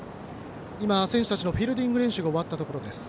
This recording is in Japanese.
今、選手たちのフィールディング練習が終わったところです。